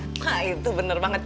nah itu bener banget